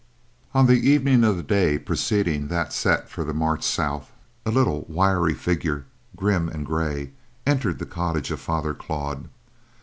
On the evening of the day preceding that set for the march south, a little, wiry figure, grim and gray, entered the cottage of Father Claude.